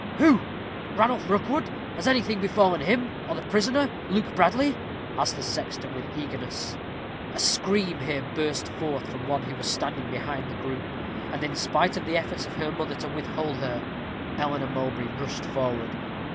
"Who? Ranulph Rookwood? Has anything befallen him, or the prisoner, Luke Bradley?" asked the sexton, with eagerness. A scream here burst forth from one who was standing behind the group; and, in spite of the efforts of her mother to withhold her, Eleanor Mowbray rushed forward.